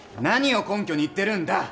何を根拠に言ってるんだ。